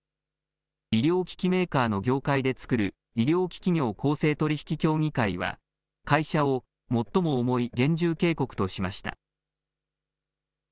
医療機器メーカーの業界で作る医療機器業公正取引協議会は、会社を最も重い厳重警告としました。